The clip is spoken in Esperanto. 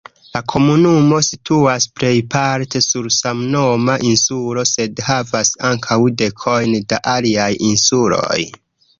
La komunumo situas plejparte sur samnoma insulo, sed havas ankaŭ dekojn da aliaj insuloj.